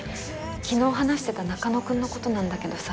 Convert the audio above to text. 昨日話してた中野くんの事なんだけどさ。